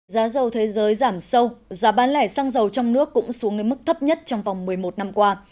giá dầu thế giới giảm sâu giá bán lẻ xăng dầu trong nước cũng xuống đến mức thấp nhất trong vòng một mươi một năm qua